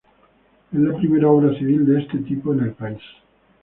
Es la primera obra civil de este tipo en el país.